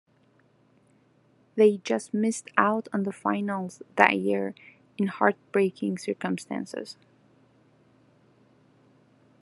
They just missed out on the finals that year in heartbreaking circumstances.